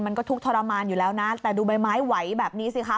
มันก็ทุกข์ทรมานอยู่แล้วนะแต่ดูใบไม้ไหวแบบนี้สิคะ